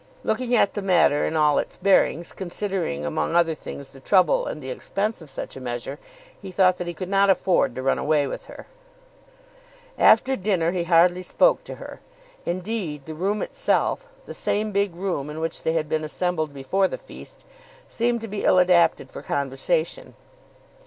Looking at the matter in all its bearings, considering among other things the trouble and the expense of such a measure, he thought that he could not afford to run away with her. After dinner he hardly spoke to her; indeed, the room itself, the same big room in which they had been assembled before the feast, seemed to be ill adapted for conversation.